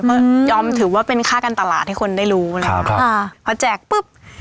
ยอมถือว่าเป็นค่าการตลาดให้คนได้รู้เลยครับค่ะพอแจกปุ๊บ